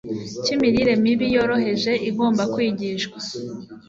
cy'imirire mibi yoroheje igomba kwigishwa